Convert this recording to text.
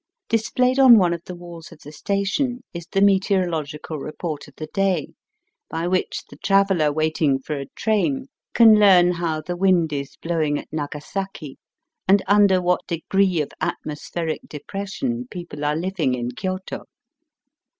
Displayed on one of the walls of the station is the meteorological report of the day, by which the traveller waiting for a train can learn how the wind is blowing at Nagasaki and under what degree of atmospheric depres sion people are living in Kyoto.